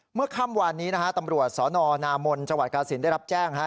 เมื่อค่ำวานนี้นะฮะตำรวจสนนามนจังหวัดกาศิลปได้รับแจ้ง